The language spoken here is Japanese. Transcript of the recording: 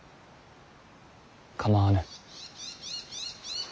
構わぬ。